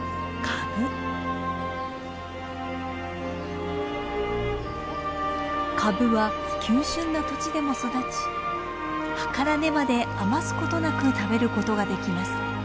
カブは急しゅんな土地でも育ち葉から根まで余すことなく食べることができます。